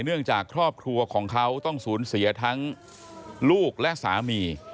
เนื่องจากครอบครัวของเขาต้องสูญเสียทั้งลูกและสามี